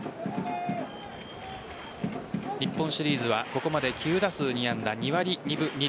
日本シリーズはここまで９打数２安打、２割２分２厘。